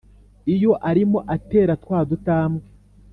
iyo arimo atera twa dutambwe